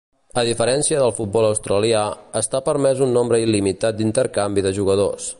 A diferència del futbol australià, està permès un nombre il·limitat d'intercanvi de jugadors.